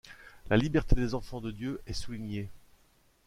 La liberté des enfants de Dieu est soulignée.